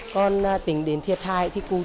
còn tỉnh đến thiệt thai thì cù chìm